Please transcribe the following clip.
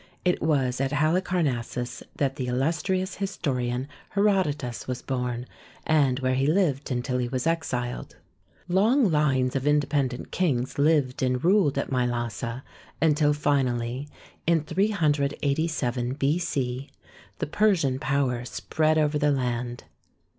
It was at Halicarnassus that the illus trious historian Herodotus was born, and where he lived until he was exiled. Long lines of independent kings lived and ruled at Mylasa until finally, in 387 B.C., the Persian power spread over the land.